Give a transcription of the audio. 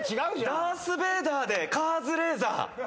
ダース・ベイダーでカーズ・レーザー。